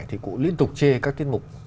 thì cụ liên tục chê các tiết mục